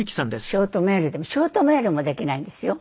ショートメールでもショートメールもできないんですよ。